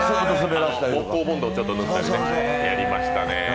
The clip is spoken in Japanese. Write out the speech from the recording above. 木工ボンドをちょっと塗ったり、やりましたね。